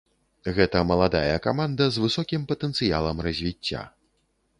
Гэта маладая каманда з высокім патэнцыялам развіцця.